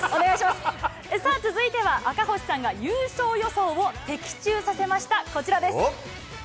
さあ、続いては、赤星さんが優勝予想を的中させました、こちらです。